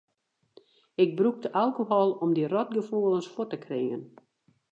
Ik brûkte alkohol om dy rotgefoelens fuort te kringen.